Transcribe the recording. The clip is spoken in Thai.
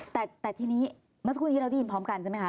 แต่ทีนี้เมื่อสักครู่นี้เราได้ยินพร้อมกันใช่ไหมคะ